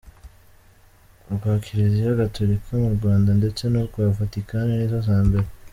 Urwa Kiliziya Gatolika mu Rwanda, ndetse n’urwa Vatican nizo za mbere.